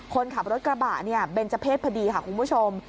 คนขับรถกระบะเบนเจ้าเพศพอดีค่ะคุณผู้ชม